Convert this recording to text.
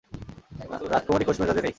রাজকুমারী খোশমেজাজে নেই।